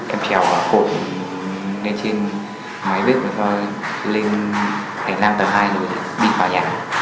em treo cổi lên trên máy viết và lên hành lang tầng hai rồi đi vào nhà